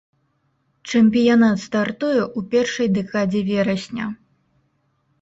Чэмпіянат стартуе ў першай дэкадзе верасня.